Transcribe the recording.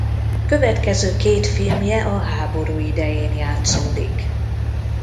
Következő két filmje a háború idején játszódik.